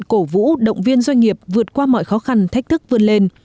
cổ vũ động viên doanh nghiệp vượt qua mọi khó khăn thách thức vươn lên